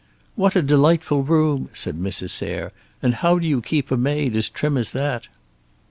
"What a delightful room!" said Mrs. Sayre. "And how do you keep a maid as trim as that?"